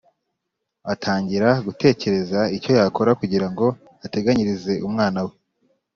atangira gutekereza icyo yakora kugira ngo ateganyirize umwana we